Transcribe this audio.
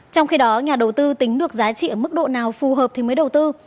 trong khi đó nhà đầu tư tính được giá trị ở mức độ nào phù hợp thì mới đầu tư